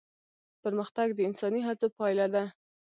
پرمختګ د انساني هڅو پايله ده.